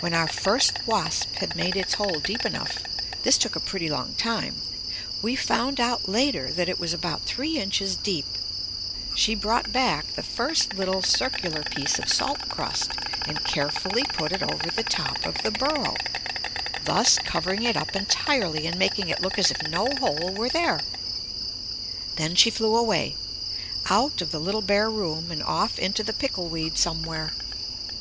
When our first wasp had made its hole deep enough this took a pretty long time; we found out later that it was about three inches deep she brought back the first little circular piece of salt crust and carefully put it over the top of the burrow, thus covering it up entirely and making it look as if no hole were there. Then she flew away, out of the little bare room and off into the pickle weed somewhere.